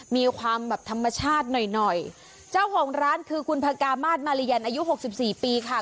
มีความแบบธรรมชาติหน่อยหน่อยเจ้าของร้านคือคุณพระกามาศมาริยันอายุหกสิบสี่ปีค่ะ